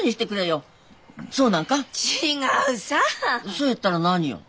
そやったら何よ？